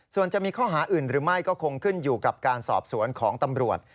ส่วนจะมีข้อหาอื่นหรือไม่ก็คงขึ้นอยู่กับการสอบสวนของตำรวจ